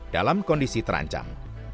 dalam kondisi terancam